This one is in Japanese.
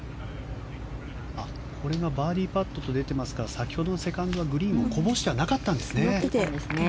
これがバーディーパットと出ていますから先ほどのセカンドはグリーンをこぼしてなかったんですね。